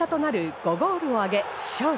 ５ゴールを挙げ、勝利。